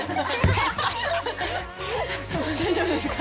大丈夫ですか。